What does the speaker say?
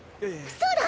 そうだ！